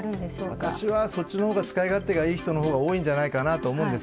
私はそっちのほうが使い勝手がいい人のほうが多いんじゃないかなと思います。